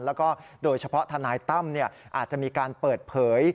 แล้วก็โดยเฉพาะทนายตั้มอาจจะมีการเปิดเผย